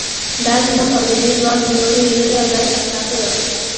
دا زموږ او د دوی دواړو لوریو لویه بد اخلاقي وه.